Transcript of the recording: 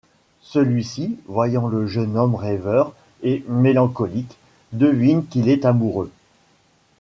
Celui-ci, voyant le jeune homme rêveur et mélancolique, devine qu'il est amoureux.